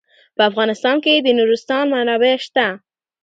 په افغانستان کې د نورستان منابع شته.